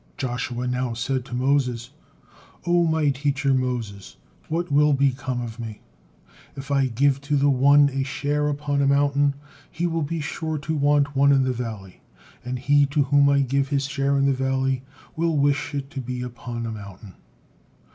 '" Joshua now said to Moses: "O my teacher Moses, what will become of me? If I give to the one a share upon a mountain, he will be sure to want one in the valley, and he to whom I give his share in the valley will wish it to be upon a mountain."